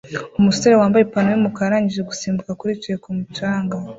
Umusore wambaye ipantaro yumukara arangije gusimbuka kuri yicaye kumu canga